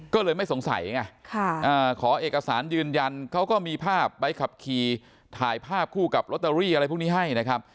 ก็เลยไม่สงสัยไงขอเอกสารยืนยันเขาก็มีภาพใบขับขี่ถ่ายภาพคู่กับลอตเตอรี่อะไรพวกนี้ให้นะครับ